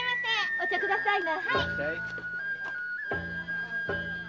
お茶くださいな。